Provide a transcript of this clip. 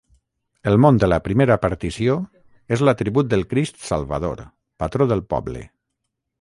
El món de la primera partició és l'atribut del Crist Salvador, patró del poble.